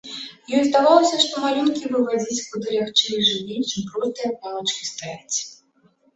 Ёй здавалася, што малюнкі вывадзіць куды лягчэй і жывей, чым простыя палачкі ставіць.